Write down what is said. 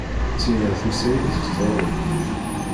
Tira tusa-yi-d seg tɣuri.